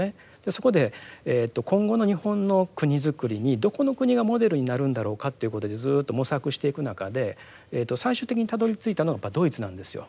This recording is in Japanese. そこで今後の日本の国づくりにどこの国がモデルになるんだろうかということでずっと模索していく中で最終的にたどりついたのはドイツなんですよ。